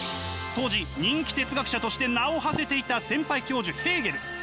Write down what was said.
当時人気哲学者として名をはせていた先輩教授ヘーゲル。